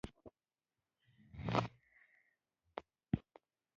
او د تهجد مونځ به مې کوو